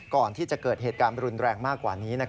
ก่อนที่จะเกิดเหตุการณ์รุนแรงมากกว่านี้